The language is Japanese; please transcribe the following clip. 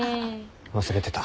忘れてた。